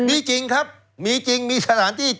มีจริงครับมีจริงมีสถานที่